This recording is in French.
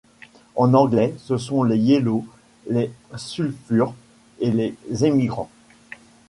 En anglais ce sont les Yellows, les Sulphurs et les Émigrants.